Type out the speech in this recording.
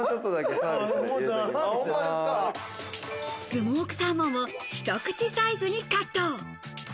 スモークサーモンを一口サイズにカット。